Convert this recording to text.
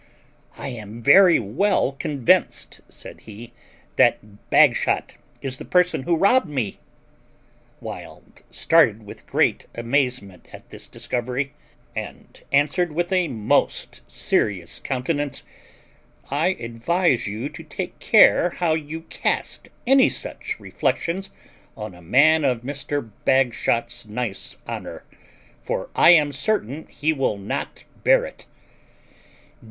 "I am very well convinced," said he, "that Bagshot is the person who robbed me." Wild started with great amazement at this discovery, and answered, with a most serious countenance, "I advise you to take care how you cast any such reflections on a man of Mr. Bagshot's nice honour, for I am certain he will not bear it."